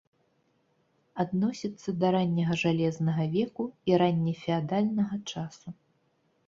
Адносіцца да ранняга жалезнага веку і раннефеадальнага часу.